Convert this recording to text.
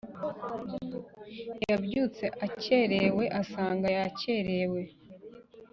yabyutse akererewe asanga yakererewe